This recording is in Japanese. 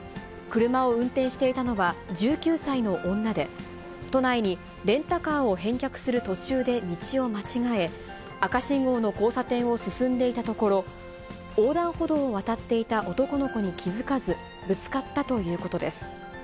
車を運転していたのは、１９歳の女で、都内にレンタカーを返却する途中で道を間違え、赤信号の交差点を進んでいたところ、横断歩道を渡っていた男の子に気付かず、ぶつかったということです。